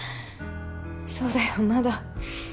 そうだよまだ